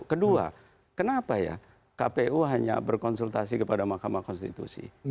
kedua kenapa ya kpu hanya berkonsultasi kepada mahkamah konstitusi